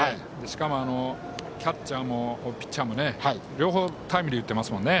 しかもキャッチャーもピッチャーも両方タイムリーを打ってますもんね。